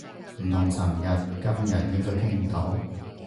唔同尋日，今日應該傾唔到